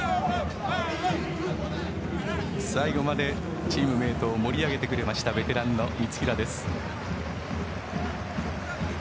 最後までチームメートを盛り上げてくれましたベテランの三平です。